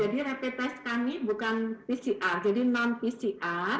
jadi repetes kami bukan pcr jadi non pcr